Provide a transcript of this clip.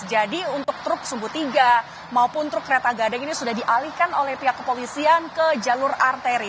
jadi untuk truk sumbu tiga maupun truk kereta gandeng ini sudah dialihkan oleh pihak kepolisian ke jalur arteri